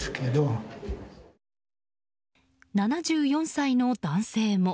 ７４歳の男性も。